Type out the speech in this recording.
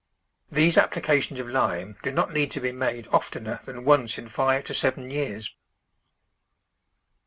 These applications of lime do not need to be made oftener than once in five to seven years.